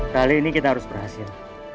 kali ini kita harus berhasil